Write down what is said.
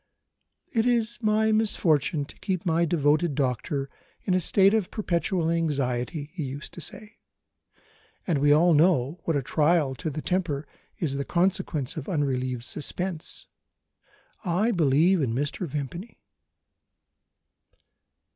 "It is my misfortune to keep my devoted doctor in a state of perpetual anxiety," he used to say; "and we all know what a trial to the temper is the consequence of unrelieved suspense. I believe in Mr. Vimpany."